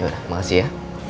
yaudah makasih ya